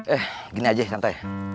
eh gini aja santai